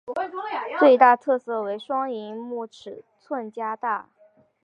最大特色为双萤幕尺寸加大。